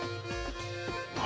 何？